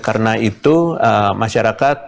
karena itu masyarakat